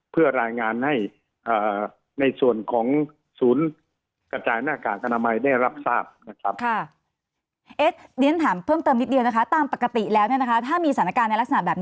เพื่อรายงานให้ในส่วนของศูนย์กระจายหน้ากากอนามัยได้รับทราบนะครับ